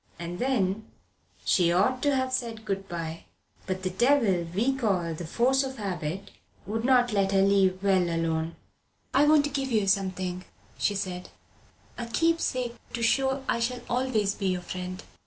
And then she ought to have said good bye. But the devil we call the force of habit would not let her leave well alone. "I want to give you something," she said; "a keepsake, to show I shall always be your friend.